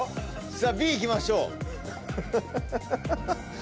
さあＢいきましょう。